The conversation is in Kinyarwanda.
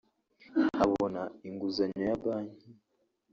abona inguzanyo ya banki